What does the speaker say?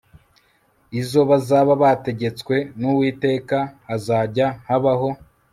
izo bazaba bategetswe n uwiteka hazajya habaho